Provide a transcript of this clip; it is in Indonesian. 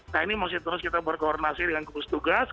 nah ini masih terus kita berkoordinasi dengan gugus tugas